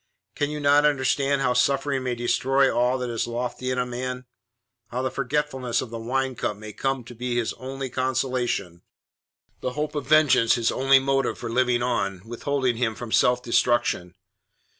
Can you not understand how suffering may destroy all that is lofty in a man; how the forgetfulness of the winecup may come to be his only consolation; the hope of vengeance his only motive for living on, withholding him from self destruction?